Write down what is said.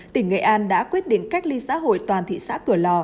tỉnh nghệ an đã quyết định cách ly xã hội toàn thị xã cửa lò